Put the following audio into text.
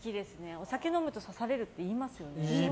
お酒飲むと刺されるって言いますよね。